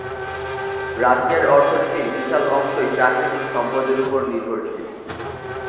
রাশিয়ার অর্থনীতির বিশাল অংশই প্রাকৃতিক সম্পদের উপর নির্ভরশীল।